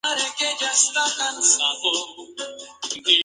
Es decir, un mismo ancestro evolutivo.